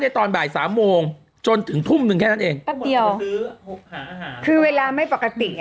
ตอนบ่ายสามโมงจนถึงทุ่มหนึ่งแค่นั้นเองแป๊บเดียวคือเวลาไม่ปกติอ่ะ